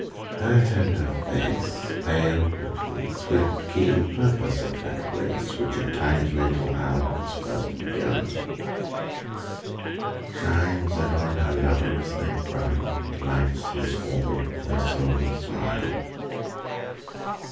Her tender face, Pale with the swift, keen purpose of that race Which at Time's natal hour was first begun, Shines ever on her lover as they run And lights his orbit with her silvery smile.